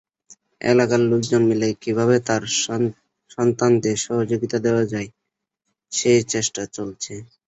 এলাকার লোকজন মিলে কীভাবে তাঁর সন্তানদের সহযোগিতা দেওয়া যায়, সেই চেষ্টা চলছে।